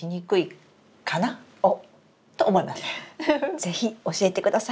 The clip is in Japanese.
是非教えてください。